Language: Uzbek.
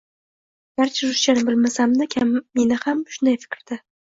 Garchi ruschani bilmasam-da, kamina ham shunday fikrda.